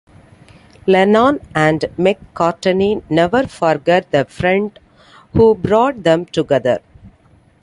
Lennon and McCartney never forgot the friend who brought them together.